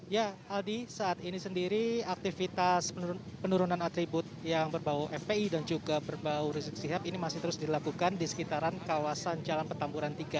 ya aldi saat ini sendiri aktivitas penurunan atribut yang berbau fpi dan juga berbau rizik sihab ini masih terus dilakukan di sekitaran kawasan jalan petamburan tiga